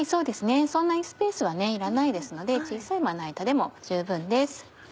そんなにスペースはいらないですので小さいまな板でも十分です。